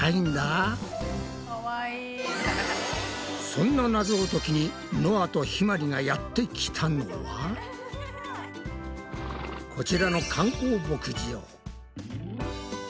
そんなナゾを解きにのあとひまりがやってきたのはこちらの観光牧場！